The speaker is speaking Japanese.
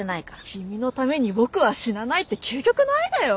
君のために僕は死なないって究極の愛だよ。